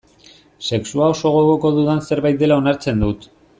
Sexua oso gogoko dudan zerbait dela onartzen dut.